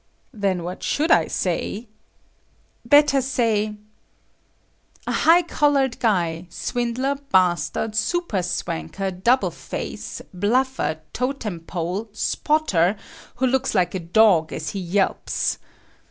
"Then what should I say?" "Better say,—'a high collared guy; swindler, bastard, super swanker, doubleface, bluffer, totempole, spotter, who looks like a dog as he yelps.